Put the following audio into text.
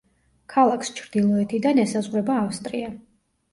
ქალაქს ჩრდილოეთიდან ესაზღვრება ავსტრია.